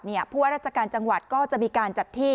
เพราะว่าราชการจังหวัดก็จะมีการจัดที่